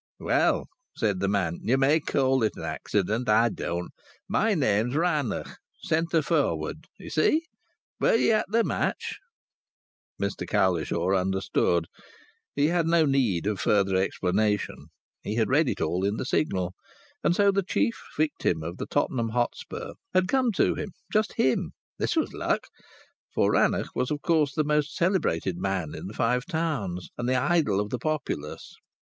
"Well," said the man, "you may call it an accident; I don't. My name's Rannoch; centre forward. Ye see? Were ye at the match?" Mr Cowlishaw understood. He had no need of further explanation; he had read it all in the Signal. And so the chief victim of Tottenham Hotspur had come to him, just him! This was luck! For Rannoch was, of course, the most celebrated man in the Five Towns, and the idol of the populace.